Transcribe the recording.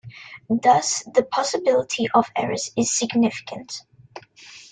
Thus, the possibility of errors is significant.